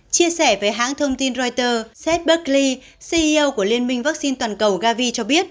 chia sẻ với hãng thông tin reuters seth berkley ceo của liên minh vaccine toàn cầu gavi cho biết